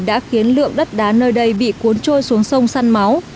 đã khiến lượng đất đá nơi đây bị cuốn trôi xuống sông săn máu